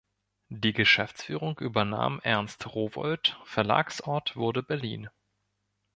Die Geschäftsführung übernahm Ernst Rowohlt, Verlagsort wurde Berlin.